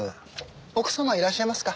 奥様いらっしゃいますか？